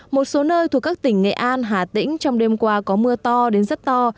một số nơi thuộc các tỉnh nghệ an hà tĩnh trong đêm qua có mưa to đến rất to